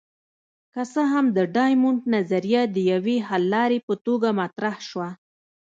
که څه هم د ډایمونډ نظریه د یوې حللارې په توګه مطرح شوه.